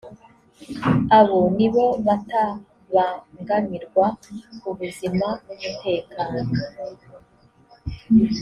abo nibo batabangamirwa ku buzima n umutekano